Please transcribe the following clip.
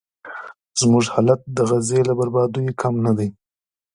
زموږ حالت د غزې له بربادیو کم نه دی.